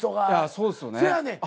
いやそうですよね。